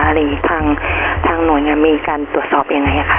หรือทางหน่วยมีการตรวจสอบยังไงคะ